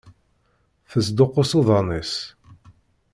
Tesduqqus uḍan-is.